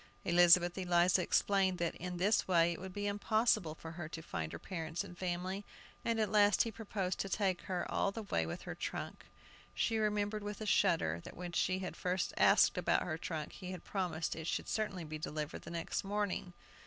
Elizabeth Eliza explained that in this way it would be impossible for her to find her parents and family, and at last he proposed to take her all the way with her trunk. She remembered with a shudder that when she had first asked about her trunk, he had promised it should certainly be delivered the next morning.